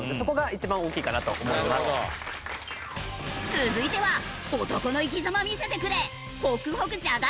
続いては男の生き様見せてくれ！